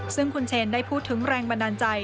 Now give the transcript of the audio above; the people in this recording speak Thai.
ซึ่งคุณเชนได้พูดถึงแรงบันดาลใจ